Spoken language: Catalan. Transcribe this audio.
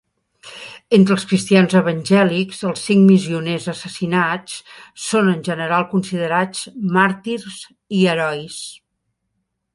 Entre els cristians evangèlics, els cinc missioners assassinats són en general considerats màrtirs i herois.